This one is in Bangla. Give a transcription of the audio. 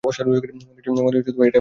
মনে হচ্ছে এটা রাতে খুলে গিয়েছে।